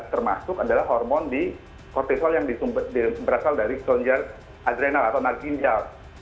termasuk adalah hormon di kortisol yang berasal dari kronis adrenal atau narginjal